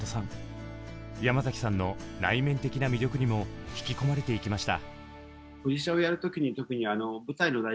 山崎さんの内面的な魅力にも引き込まれていきました。